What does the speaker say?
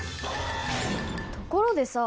ところでさ